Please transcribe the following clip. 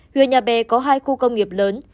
huyện nhà bè có hai khu công nghiệp lớn